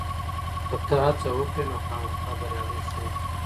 که ته هڅه وکړې، نو خامخا به بریالی شې.